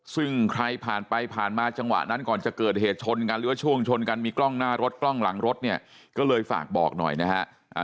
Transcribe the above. ซึ่งใครผ่านไปผ่านมาจังหวะนั้นก่อนจะเกิดเหตุชนกันหรือว่าช่วงชนกันมีกล้องหน้ารถกล้องหลังรถเนี่ยก็เลยฝากบอกหน่อยนะฮะ